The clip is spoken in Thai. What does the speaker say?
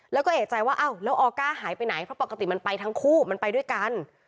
แล้วก็เอกใจว่าอ้าวแล้วออก้าหายไปไหนเพราะปกติมันไปทั้งคู่มันไปด้วยกัน